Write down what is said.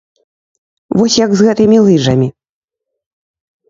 Вось як з гэтымі лыжамі.